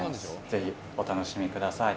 ぜひお楽しみください。